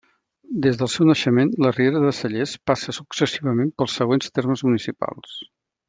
Des del seu naixement, la Riera de Cellers passa successivament pels següents termes municipals.